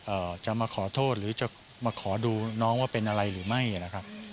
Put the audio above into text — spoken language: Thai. จะมาขอโทษหรือจะมาขอดูน้องว่าเป็นอะไรหรือไม่นะครับ